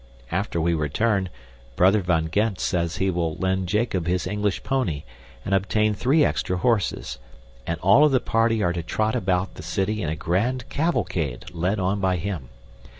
After we return, Brother van Gend says he will lend Jacob his English pony and obtain three extra horses; and all of the party are to trot about the city in a grand cavalcade, led on by him.